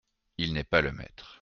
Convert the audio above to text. Il n'est pas le maître.